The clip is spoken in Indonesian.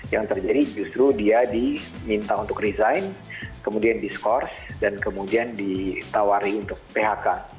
yang terjadi justru dia diminta untuk resign kemudian diskors dan kemudian ditawari untuk phk